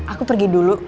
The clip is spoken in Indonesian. aku pergi dulu